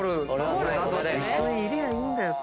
一緒にいりゃいいんだよ。